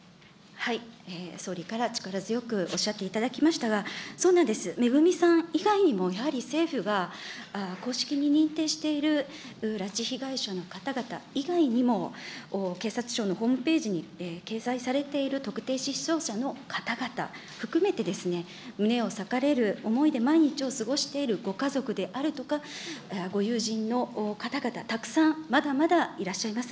総理から力強くおっしゃっていただきましたが、そうなんです、めぐみさん以外にもやはり政府が公式に認定している拉致被害者の方々以外にも、警察庁のホームページに掲載されている特定失踪者の方々含めて、胸をさかれる思いで毎日を過ごしているご家族であるとか、ご友人の方々、たくさん、まだまだいらっしゃいます。